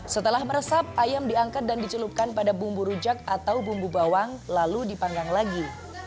setelah meresap ayam diangkat dan dicelupkan pada bumbu rujak atau bumbu bawang lalu dipanggang lagi